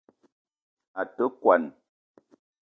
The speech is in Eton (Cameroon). A te kwuan